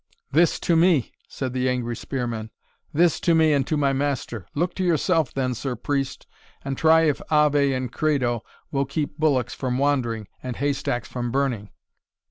"This to me!" said the angry spearman, "this to me and to my master Look to yourself then, Sir Priest, and try if Ave and Credo will keep bullocks from wandering, and hay stacks from burning."